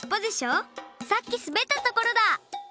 さっきすべったところだ！